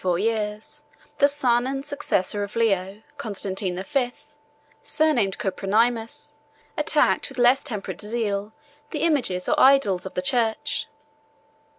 ] In a long reign of thirty four years, the son and successor of Leo, Constantine the Fifth, surnamed Copronymus, attacked with less temperate zeal the images or idols of the church.